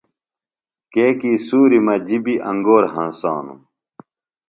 کیۡکی سُوریۡ مجیۡ بیۡ انگور ہنسانوۡ۔